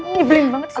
nyebelin banget sih